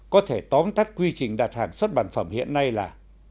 có thể tóm tắt quy trình đặt hàng xuất bản phẩm hiện nay là